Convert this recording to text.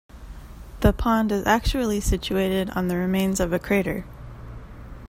The pond is actually situated on the remains of a crater.